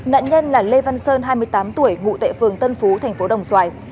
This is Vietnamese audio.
nạn nhân là lê văn sơn hai mươi tám tuổi ngụ tệ phường tân phú thành phố đồng xoài